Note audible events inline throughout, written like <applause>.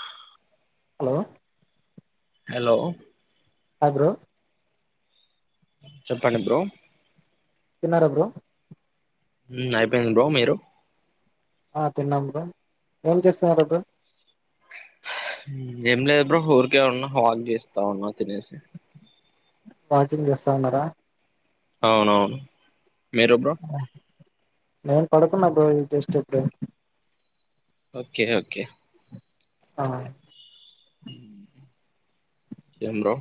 హ hello hello అబ్రో చెప్పండి బ్రో నర బ్రో ఉమ్ అయిపోయింది బ్రో మీరు అహ్ తిన్నాం బ్రో ఏం చేస్తున్నార్ ఇప్పుడ్ ఉమ్ ఏం లేదు బ్రో ఊరికే ఉన్నా హల్ చేస్తా ఉన్నా తినేసి వాకింగ్ చేస్తా ఉన్నారా అవునవును మీరు బ్రో నెన్ పడుకున్నా బ్రో ఇ జస్ట్ ఇపుడే ఓకే ఓకే ఆ ఏం రో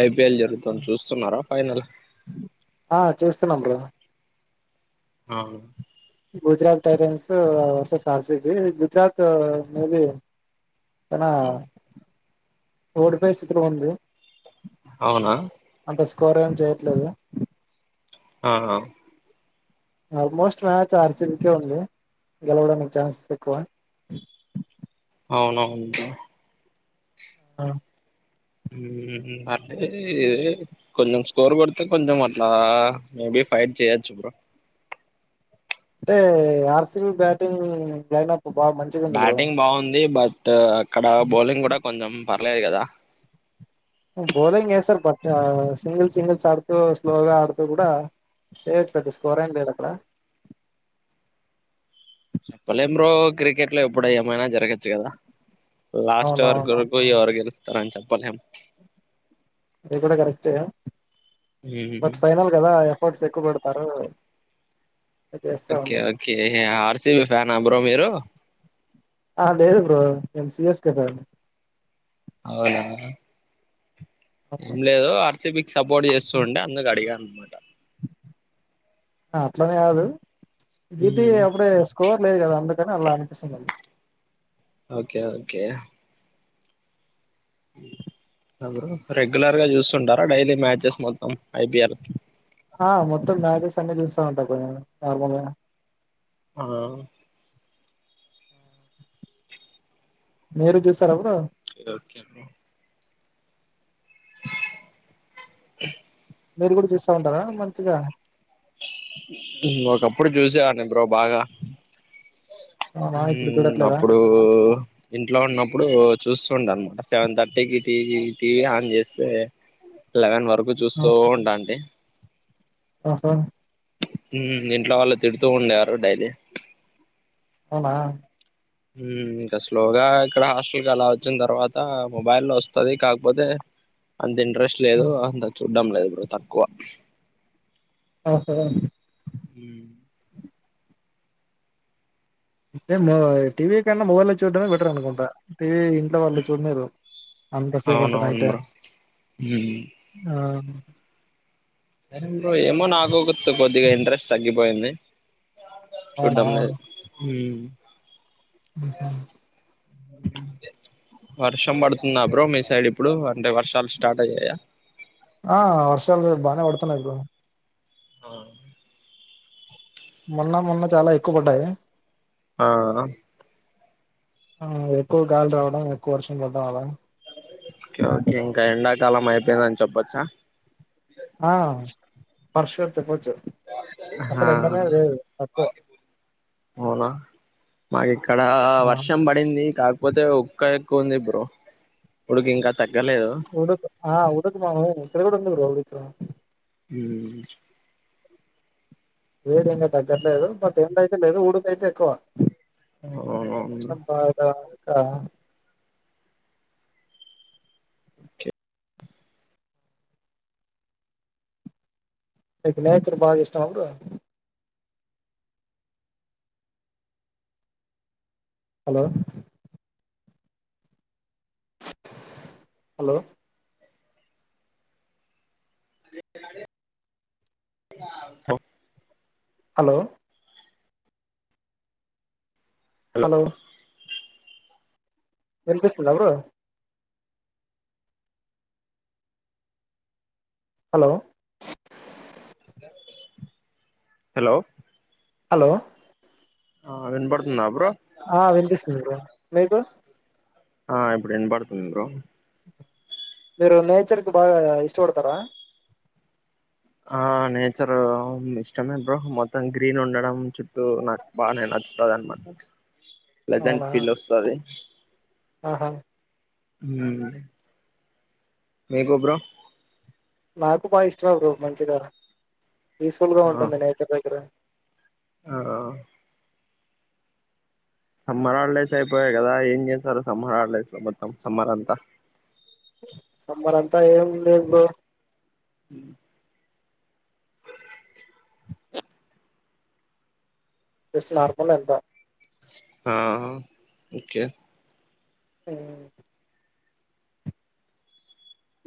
ఐగ్ పిఎల్ జరుగుతున్ చూస్తున్నారా ఫైనల్ ఆ చూస్తున్నాం బ్రో ఆ గుజరాత్ టైటాన్స్ ఉ versus R C B Gujarat ఉ మే బి తనా కోడ్ పై సిత్కోవ ఉంది అవునా అంత స్కోర్ ఏం చేయ్యట్లేదు ఆహా almost match R C B కే ఉంది గెలవడానికి ఛాన్స్ ఎక్కువ అవునవును అ ఉమ్ అంటే కొంచెం స్కోర్ కొడితే కొంచెం అట్లా మేబి ఫైట్ చేయొచ్చు బ్రో టే R C B batting lineup బాగా మంచిగా ఉంది బ్రో బ్యాటింగ్ బాగుంది బట్ ఆ అక్కడ బౌలింగ్ గూడ కొంచెం పర్లేద్ గదా బౌలింగ్ ఎసార్ బట్ సింగిల్ సింగిల్స్ ఆడుతూ స్లోగా ఆడుతూ కూడా చేయొచ్చు పెద స్కోర్ ఏం లేదు అక్కడ చెప్పలేం బ్రో క్రికెట్ లో ఎప్పుడ ఏమైనా జరగచ్చు గదా లాస్ట్ అవునవును వరకురకు ఎవరు గెలిస్త్ తరణ చెప్పలేం అది కూడా కరెక్టేయ బట్ ఫైనల్ కదా ఎఫర్ట్స్ క్ గుడ్తరోయ్ okay okay R C B ఫ్యానా బ్రో మీరు లేదు బ్రో నేను సి స్ కే ఫ్యాన్ నీ అవులా అవును ఏం లేదు ఆర్సిపికి సపోర్ట్ చేస్తుంటే అందుకు అడిగా బో మాట ఆ అట్లనే కాదు <unintelligible> అప్పుడే స్కోర్ లేదు కదా అందుకని అలా అనిపిస్తుంది ఓకే ఓకే ఎవరు రెగ్యులర్ గా చూస్తుంటారా డైలీ మ్యాచెస్ మొత్తం ఐపిఎల్ ఆ మొత్తం <unintelligible> <unintelligible> ఉంటా బ్రో నార్మల్ గా అ మీరు చూస్తారా బ్రో ఇది ఓకే బ్రో మీరు కూడా చూస్తా ఉంటారా మంచిగా ఒకప్పుడు చూసేవాడిని బ్రో బాగా అవునా ఇప్పుడు చూడట్లేదా అప్పుడు ఇంట్లో ఉన్నప్ ఇప్పుడు చూస్తుండ అనమాట సెవెన్ థర్టీకి టీవీ టీవీ ఆన్ చేస్తే లెవెన్ వర <unintelligible> చూస్తూ ఉండండి ఆహా ఇంట్లో వాళ్ళు తిడుతూ ఉండేవారు డైలీ అవునా ఇంకా స్లోగా ఇక్కడ హాస్టల్ కి అలా వచ్చిన తర్వాత మొబైల్ వస్తది కాకపోతే అంత ఇంట్రెస్ట్ ఆ, లేదు అంత చూ <unintelligible> లేదు బ్రో తక్కువ ఆహ <unintelligible> టీవీ కన్నా మొబైల్లో చూడ్డమే బెటర్ అనుకుంటా టీవీ ఇంట్లో వాళ్ళు చూడనీరు అంత సేవ్ అంటే అవునవును నైతే బ్రో ఉమ్ ఆ బ్రో ఏమో నాకు చూడ్డంలేదు బక వర్షం పడుతుంద బ్రో మీ సైడ్ ఇప్పుడు అంటే వర్షాలు స్టార్ట్ అయ్యాయా ఆ వర్షాలు బానే పడుతున్నాయి బ్రో ఆ మొన్న మొన్న చాలా ఎక్కువ పడ్డాయి ఆ ఎక్కువ గాలి రావడం ఎక్కువ వర్షం పడ్డం అలా ఓకే ఓకే <unintelligible> అయిపోయిందని చెప్పొచ్చా ఆ వర్ష చెప్పచ్చు ఆ అసలు ఎంటనే లేదు తక్కువ మా యక్ ఇక్కడ ఆ వర్షం పడింది కాకపోతే ఒక్క కుంది బ్రో ఉడికింగ ఉదక్ ఆ ఉడకు మా ఇక్కడ గూడ ఉంది ఉడుక్ సో హు ఏది ఇంకా తగ్గట్లేదు బట్ ఏండయితే లేదు ఉడిక అయితే ఎక్కువ అవును అవును ఆ <inaudible> ఆ నేచర్ బాగా ఇష్టం ఆ బ్రో హలో హలో <inaudible> హ హలో హలో వినిపిస్తుందా బ్రో హలో <inaudible> <inaudible> హలో హలో ఆ విన్పడుతుందా బ్రో ఆ వినిపిస్తుంది బ్రో మీకు ఆ ఇప్పుడు వినపడుతుంది బ్రో మీరు నేచర్ కి బాగా ఇష్టపడతారా ఆ నేచర్ ఇష్టమే బ్రో మొత్తం గ్రీన్ ఉండడం చుట్టూ బాగానే నచ్చుత అన్ మాట ప్లజెంట్ అవునా ఫీల్ వస్తది ఆహా ఉ మీకు బ్రో నాకు బాగా ఇష్టమే బ్రో మంచిదార పీస్ఫుల్గా ఉంటుంది నేచర్ దగ్గర అ ఆ సమ్మర్ హాలిడేస్ అయిపోయాయి కదా ఏం చేశారు సమ్మర్ హాలిడేస్ మొత్తం సమ్మర్ అంతా సమ్మర్ అంతా ఏం లేదు బ్రో అ జస్ట్ నార్మల్ అంత ఆ ఓకే అ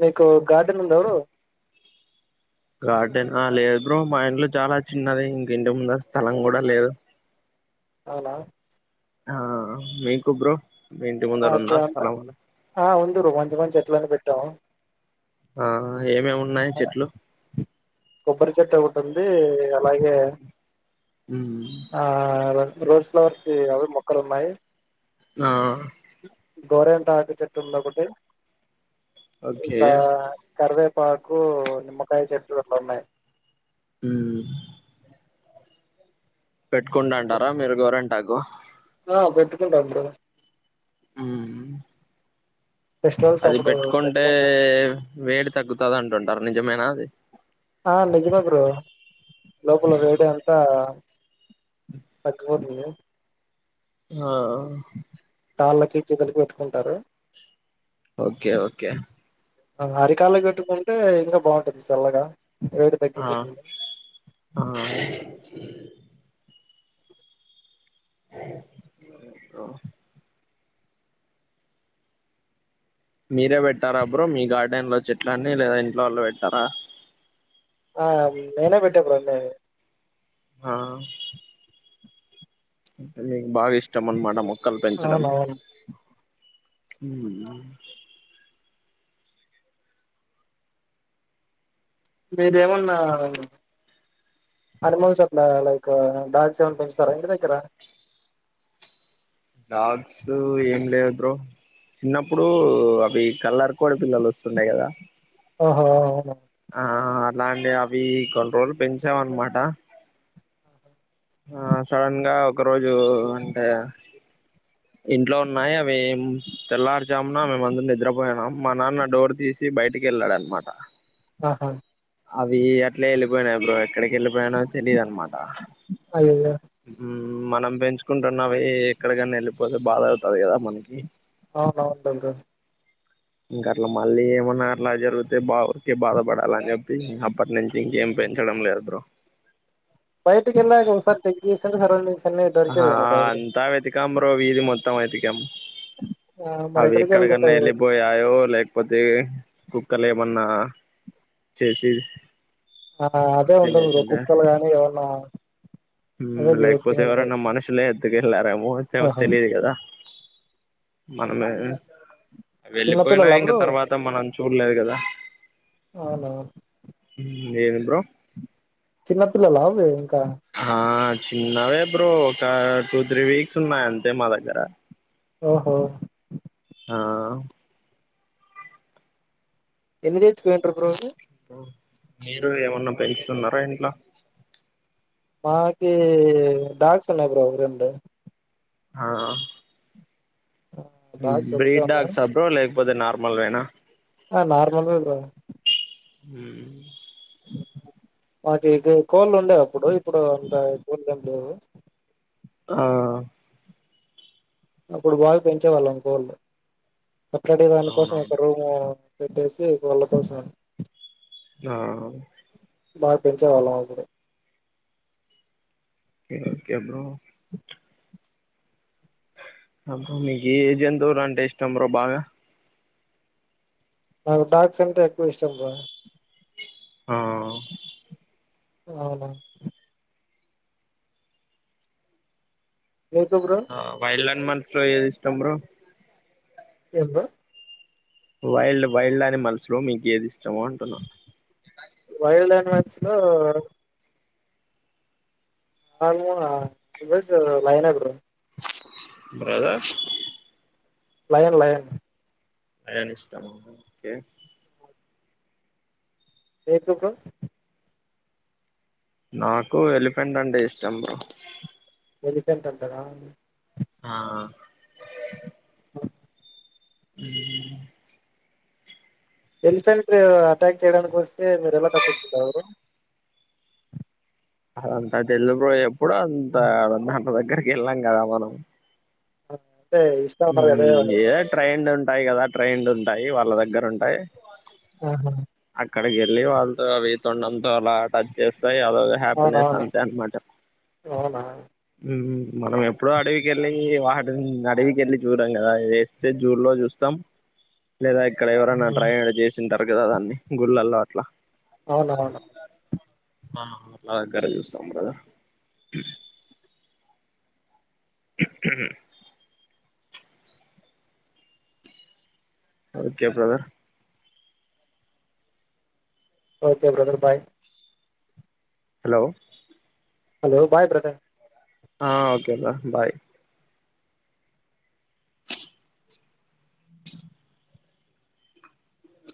మీకు గార్డెన్ ఉంద బ్రో గార్డెన్ ఆ లేదు బ్రో మా ఇంట్లో చాలా చిన్నది ఇంక ఇంటిముందర స్థలం కూడా లేదు అవునా ఆ మీకు బ్రో మీ ఇంటి ముందర మాకు ఉందా అంత స్థలం ఆ ఉందరు వంచి వంచే ఇంట్లోనే పెట్టాము ఆ ఏమి ఉన్నాయి చెట్లు కొబ్బరి చెట్టు ఒకటిుంది అలాగే మ్మ్. ఆ రోజ్ ఫ్లవర్స్ వి అవి మొక్కలు ఉన్నాయి ఆ గోర ఎంత ఆకు చెట్టు ఉంది ఒకటి ఓకే ఇట్ల కరవే పాకు నిమ్మకాయ చెట్లు ఇక్కడ్ ఉన్నాయి హ పెట్టుకుం అంటారా మీరు గోరంట్ ఆగో ఆ పెట్టుకుంట బ్రో ఆ ఫెస్టివల్స్ అది అప్పుడు పెట్టుకుంటే పెట్టుకుంటాం వేడి తగ్గుతది అంటుండు రని జమేనాది ఆ నిజమే బ్రో లోపల వేడి అంతా పకోషియా ఆ ఆ కాళ్ళకి జిదల్ పెట్టుకుంటారు ఓకే ఓకే అరికాళ్ళ పెట్టుకుంటే ఇంకా బాగుంటది చల్లగా వేడి ఆ తగ్గిపోతుంది ఆహా స ఓ మీరే పెట్టారా అ బ్రో మీ గార్డెన్ లో చెట్లన్నీ లేదా ఇంట్లో వాళ్ళు పెట్టారా ఆ నేనె పెట్టా బ్రో అన్ని హ ఇంటల్లీ బాగా ఇష్టం అన్ మాట మొక్కల్ పెంచడం. అవునవును ఉ మీరేమన్నా అడ్మన్స్ అట్లా లైక్ డాగ్స్ ఏమన్ పెరచు తారా ఇంటి దగ్గర డాగ్స్ ఏం లేవు బ్రో చిన్నప్పుడు అవి కలర్ కోడిపిల్లలు వస్తుండె కదా ఓహో అవును ఆ అట్లాంటి అవి కొని రోజులు పెంచామ్ అన్నమాట ఆ సడన్ గా ఒక రోజు అంటే ఇంట్లో ఉన్నాయి. అవి తెల్లార్జామున మేమందరం నిద్రపోయనాం, మా నాన్న డోర్ తీసి బయటికి వెళ్ళాడు అనమాట. అ హా అవీ అట్లే ఎళ్ళి పోయినై బ్రో ఎక్కడికి వెళ్ళిపోయినయో తెలియదు అనమాట. అయ్యయ్యో హ్మ్ మనం పెంచుకుంటున్నవి ఎక్కడికన్నా ఎళ్ళిపోతే బాధ అవుతది కదా మనకి. అవునవును <unintelligible> ఇంక అట్లా మళ్ళీ ఏమన్నా అట్లా జరిగితే బా కే బాధపడాలని చెప్పి అప్పటి నుంచి ఇంకేం పెంచడం లేదు బ్రో. బయటికి ఎల్లారు సార్ చెక్ చేస్తర్ సరౌండింగ్. ఆ అంతా వెతికాం బ్రో వీది మొ త్తం వెతికం. ఆ మరి అవి ఎక్కడికి ఎక్కడికన్నా వెళ్తుంటాయి వెళ్ళిపోయాయో లేకపోతే కుక్కలేమ న్నా చేసి ఆ అదే ఉంటుంది బ్రో కుక్కలు గాని ఏవన్నా హ్మ్ లేక్పోతే ఎవరన్నా మనషులే ఎత్తుకెల్లారేమో పోవచ్చేమో ఆహా తెలియదు కదా మనమే వెళ్ళిపోయినా చిన్నపిల్లలా ఇంక బ్రో తర్వాత మనం చూడలేదు కదా అవునా లేదు బ్రో చిన్నపిల్లలా అవి ఇంకా ఆ చిన్నవే బ్రో ఒకా టూ, త్రీ, వీక్స్ ఉన్నాయి అంతే మా దగ్గర. ఓహో ఆ ఎన్ని తెచ్చుకొని ఉంటరు బ్రో అవి మీరు ఏమన్నా పెంచుతున్నరా ఇంట్ల మాకీ డాగ్స్ ఉన్నాయి బ్రో రెండు. ఆ హ్మ్ డాగ్స్ ఒకటే బ్రీడ్ ఉన్నాయి డాగ్స్ ఆ బ్రో లేకపోతే నార్మల్ వేనా ఆ నార్మల్ వే బ్రో హ్మూ మాకి కొ కోళ్ళు ఉండే అప్పుడు ఇప్పుడు అంత కోళ్ళు ఏం లేవు. ఆ అప్పుడు బాగ పెంచేవాళ్ళం కోళ్ళు సపరేట్ దానికోసం అవునవును ఒక రూము పెట్టేసి కోళ్ళ కోసంమని ఆ బాగ్ పెంచేవాళ్ళం అపుడు ఒకే ఒకే బ్రో అబ్బ మీకు ఏ ఏ జంతువులు అంటే ఇష్టం బ్రో బాగ నాకు డాగ్స్ అంటే ఎక్కువ ఇష్టం బ్రో ఆ అవును మీకు బ్రో మనసులో ఏది ఇష్టం బ్రో ఇంకేం బ్రో వైల్డ్ వైల్డ్ అనిమల్స్ లో మీకేది ఇష్ అంటన్న స్లో ఆల్మోస్ట్ లయనే bro brother lion lion lion ఇష్టమా ఏ మీకు బ్రో నాకు ఎలిఫెంట్ అంటె ఇష్టం బ్రో ఎలిఫెంట్ అంటరా ఆ ఎలిఫెంట్ అటాక్ చేయడానికి వస్తే మీరు ఎలా తప్పించుకుంటారు బ్రో అదంతా తేల్ద్ బ్రో ఎప్ కూడ అంతా ఎక్కడికెళ్ళాం కదా మనం అ ఏదో ట్రెండ్ ఉంటాయ్ గదా ట్రెండ్ ఉంటాయ్ వాళ్ళ దగ్గర ఉంటాయి ఆహా అక్కడికెళ్ళి వాళ్ళతో అవి తొండంతో అలా టచ్ చేస్ అదో హ్యాపీనెస్ అవునవును అంతే అనమాట అవునా హుమ్ మనం ఎప్పుడు అడవి కెళ్ళీ వాటిని అడవి ఎల్లి చూడం కదా వేస్తే జూ లో చూస్తం లేదా ఇక్కడ ఎవరన్నా ట్రై అవును చేసిన్ త మిగత దాన్ని గుళ్ళల్ల అట్లా అవునవును ఆ అ దగ్గర చూస్తం గదా okay brother okay brother bye hello hello bye brother ఆ ఓకే బా బాయ్